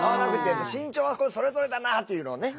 身長はこれそれぞれだなっていうのをね